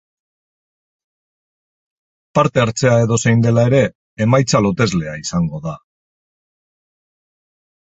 Parte-hartzea edozein dela ere, emaitza loteslea izango da.